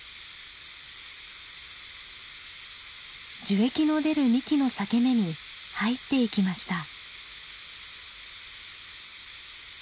樹液の出る幹の裂け目に入っていきました。